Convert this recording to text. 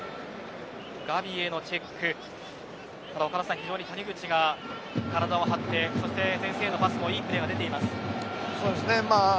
ガヴィへのチェックでしたがただ岡田さん、谷口が体を張ってそして前線へのパスもいいプレーが出ています。